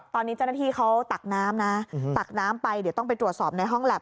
ตอนนี้เจ้าหน้าที่เขาตักน้ำนะตักน้ำไปเดี๋ยวต้องไปตรวจสอบในห้องแล็